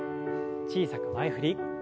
小さく前振り。